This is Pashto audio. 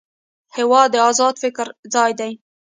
هېواد د ازاد فکر ځای دی.